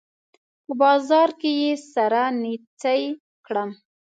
په بازار کې يې سره نيڅۍ کړم